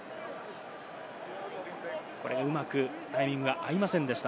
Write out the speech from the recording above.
これ、うまくタイミングが合いませんでした。